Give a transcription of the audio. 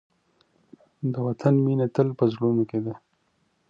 د وطن مینه تل په زړونو کې ده.